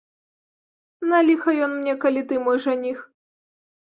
На ліха ён мне, калі ты мой жаніх.